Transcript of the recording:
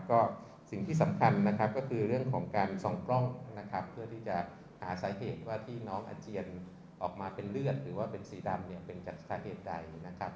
ก็สิ่งที่สำคัญนะครับก็คือเรื่องของการส่องกล้องนะครับเพื่อที่จะหาสาเหตุว่าที่น้องอาเจียนออกมาเป็นเลือดหรือว่าเป็นสีดำเนี่ยเป็นจากสาเหตุใดนะครับ